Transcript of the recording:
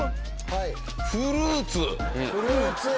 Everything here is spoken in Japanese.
フルーツ駅。